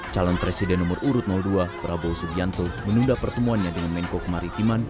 calon presiden nomor urut dua prabowo subianto menunda pertemuannya dengan menko kemaritiman